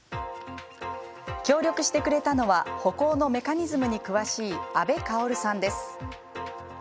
協力してくれたのは歩行のメカニズムに詳しい阿部薫さんです。